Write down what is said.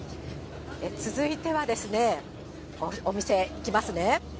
続いてはですね、お店行きますね。